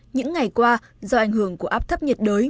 những ngày qua do ảnh hưởng của áp thấp nhiệt đới